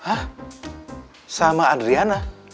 hah sama adriana